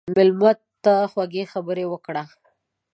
مېلمه ته خوږې خبرې وکړه.